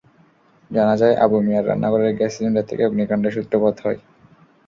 জানা যায়, আবু মিয়ার রান্নাঘরের গ্যাস সিলিন্ডার থেকে অগ্নিকাণ্ডের সূত্রপাত হয়।